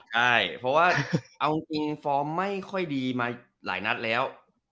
ใช่เพราะว่าเอาอิงฟอร์มไม่ค่อยดีมาหลายนัดแล้ว